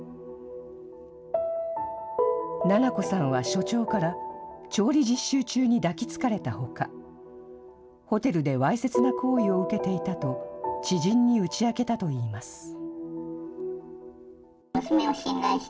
菜々子さんは所長から調理実習中に抱きつかれたほか、ホテルでわいせつな行為を受けていたと、知人に打ち明けたといいます。